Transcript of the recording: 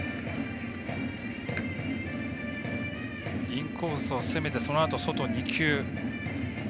インコースを攻めてそのあと外２球。